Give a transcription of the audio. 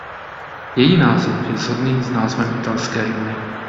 Její název je shodný s názvem italské hymny.